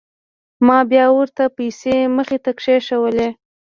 ما بيا ورته پيسې مخې ته كښېښووې.